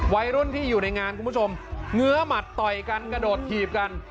วัยรุ่นที่อยู่ในงานคุณผู้ชมเงื้อหมัดต่อยกันกระโดดถีบกัน